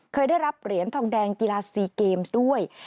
เคยได้รับเหรียญทองแดงกีฬาซีเกมส์ด้วย